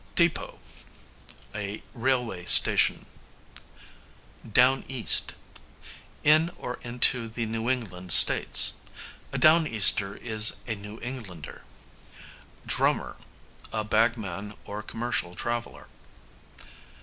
Depot, a railway station. Down east, in or into the New England States. A down easter is a New Englander. Drummer, a bagman or commercial traveller.